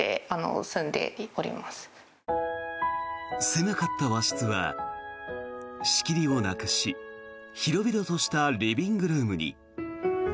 狭かった和室は仕切りをなくし広々としたリビングルームに。